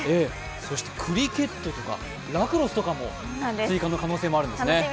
そしてクリケットとかラクロスとか追加の可能性もあるんですね。